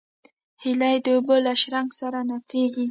هیلۍ د اوبو له شرنګ سره نڅېږي